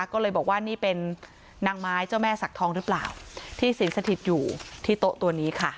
ก็เลยบอกว่านี่เป็นนางไม้เจ้าแม่สักทองหรือเปล่าที่สิงสถิตอยู่ที่โต๊ะตัวนี้ค่ะ